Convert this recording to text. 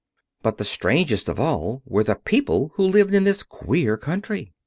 But the strangest of all were the people who lived in this queer country.